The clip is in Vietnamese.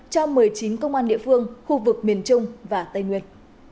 cho một mươi chín công an địa phương khu vực miền trung và tây nguyên